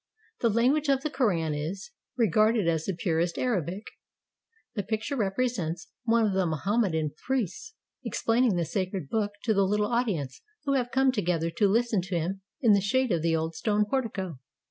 The language of the Koran is regarded as the purest Arabic. The picture represents one of the Mohammedan priests explaining the sacred book to the little audience who have come together to listen to him in the shade of the old stone portico.